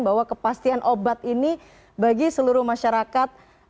bahwa kepastian obat ini bagi seluruh masyarakat